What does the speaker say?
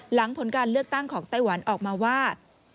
หลังผลการเลือกตั้งของไต้หวันออกมาว่า